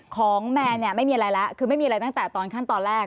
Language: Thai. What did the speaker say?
แมนเนี่ยไม่มีอะไรแล้วคือไม่มีอะไรตั้งแต่ตอนขั้นตอนแรก